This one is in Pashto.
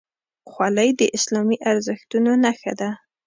خولۍ د اسلامي ارزښتونو نښه ده.